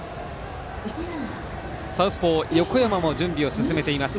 サウスポー、横山も準備を進めています